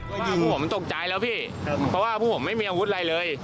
ยิงพวกผมตกใจแล้วพี่เพราะว่าพวกผมไม่มีอาวุธอะไรเลย